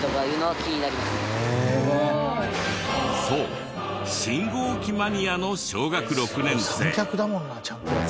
そう信号機マニアの小学６年生。